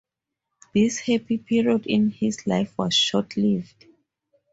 This happy period in his life was short-lived.